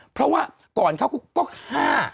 เพราะว่าก่อนเขาก็ฆ่า